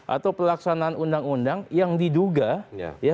atau pelaksanaan undang undang yang diduga ya